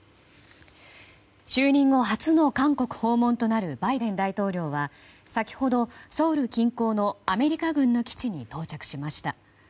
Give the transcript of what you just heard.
就任後初の韓国訪問となるバイデン大統領は先ほどソウル近郊のアメリカ軍の基地に到着しました。